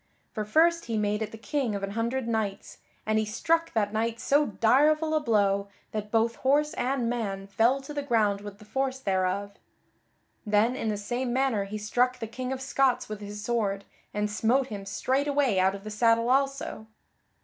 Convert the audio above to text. For first he made at the King of an Hundred Knights, and he struck that knight so direful a blow that both horse and man fell to the ground with the force thereof. Then in the same manner he struck the King of Scots with his sword, and smote him straightway out of the saddle also.